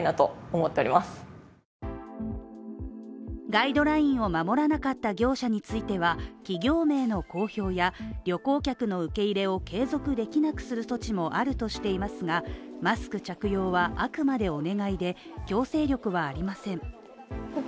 ガイドラインを守らなかった業者については、企業名の公表や旅行客の受け入れを継続できなくする措置もあるとしていますが、マスク着用はあくまでお願いで強制力はありません。